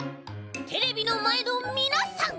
テレビのまえのみなさん！